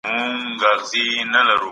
ظاهر افق محمداعظم ايازى